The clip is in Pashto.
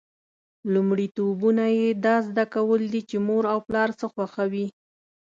لومړیتوبونه یې دا زده کول دي چې مور او پلار څه خوښوي.